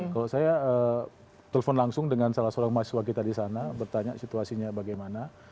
kalau saya telepon langsung dengan salah seorang mahasiswa kita di sana bertanya situasinya bagaimana